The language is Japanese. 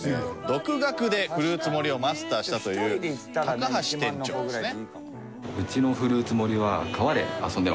独学でフルーツ盛りをマスターしたという高橋店長ですね。